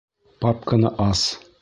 Папканы ас!